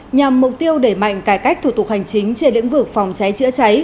nhằm mục tiêu đẩy mạnh cải cách thủ tục hành chính trên lĩnh vực phòng cháy chữa cháy